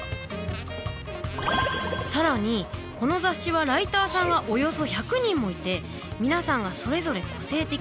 更にこの雑誌はライターさんがおよそ１００人もいて皆さんがそれぞれ個性的。